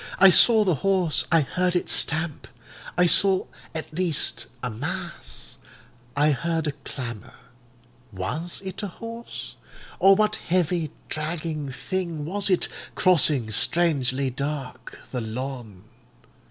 I saw the horse; I heard it stamp—I saw at least a mass; I heard a clamour. Was it a horse? or what heavy, dragging thing was it, crossing, strangely dark, the lawn.